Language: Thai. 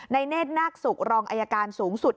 เนธนาคศุกร์รองอายการสูงสุด